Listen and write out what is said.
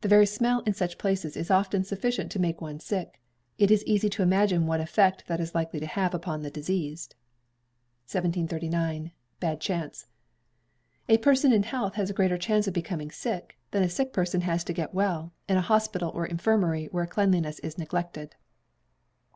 The very smell in such places is often sufficient to make one sick. It is easy to imagine what effect that is likely to have upon the diseased. 1739. Bad Chance. A person in health has a greater chance to become sick, than a sick person has to get well, in an hospital or infirmary where cleanliness is neglected.